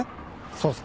そうです。